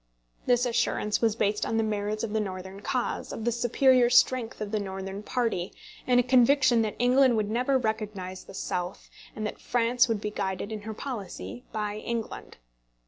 This assurance was based on the merits of the Northern cause, on the superior strength of the Northern party, and on a conviction that England would never recognise the South, and that France would be guided in her policy by England.